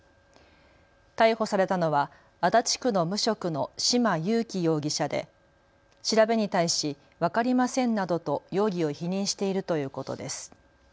逮捕されたのは足立区の無職の島佑希容疑者で調べに対し分かりませんなどと容疑を否認しているということです。